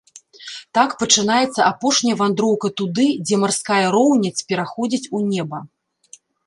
Так пачынаецца апошняя вандроўка туды, дзе марская роўнядзь пераходзіць у неба.